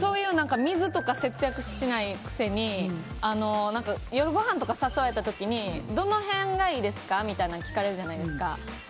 私、水とか節約しないくせに夜ごはんとか誘われた時にどの辺がいいですかみたいな聞かれるじゃないですか。